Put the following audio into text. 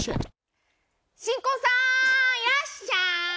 新婚さんいらっしゃい！